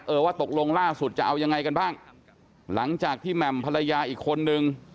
ว่าตกลงล่าสุดจะเอายังไงกันบ้างหลังจากที่แหม่มภรรยาอีกคนนึง